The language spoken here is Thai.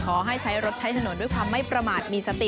ขอให้ใช้รถใช้ถนนด้วยความไม่ประมาทมีสติ